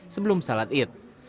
sebelum shalat id